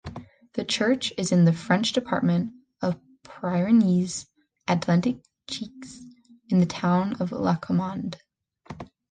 The church is in the French department of Pyrénées-Atlantiques, in the town of Lacommande.